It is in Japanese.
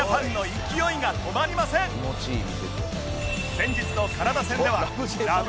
先日のカナダ戦では『ラブ！！